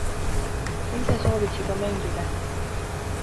Ta ise sooviks juba mängida.